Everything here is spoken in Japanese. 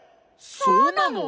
そうなの？